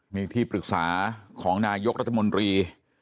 มีที่ปรึกษาของนายกรัฐมนตรี